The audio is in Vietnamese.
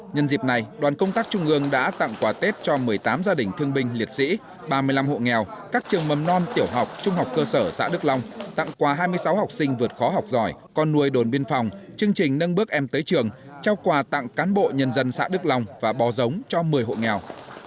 nhân dịp này đoàn công tác trung ương đã tặng quà tết cho một mươi tám gia đình thương binh liệt sĩ ba mươi năm hộ nghèo các trường mầm non tiểu học trung học cơ sở xã đức long tặng quà hai mươi sáu học sinh vượt khó học giỏi con nuôi đồn biên phòng chương trình nâng bước em tới trường trao quà tặng cán bộ nhân dân xã đức long và bò giống cho một mươi hộ nghèo